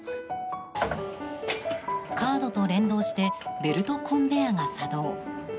カードと連動してベルトコンベヤーが作動。